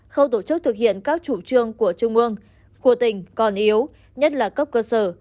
khâu tổ chức thực hiện các chủ trương của trung ương của tỉnh còn yếu nhất là cấp cơ sở